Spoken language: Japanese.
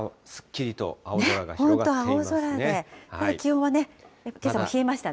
本当、青空で、気温はね、けさも冷えましたね。